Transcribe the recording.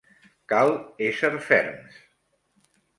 Cal ésser ferms.